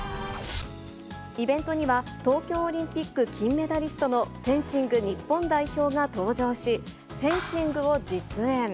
イベントには、東京オリンピック金メダリストのフェンシング日本代表が登場し、フェンシングを実演。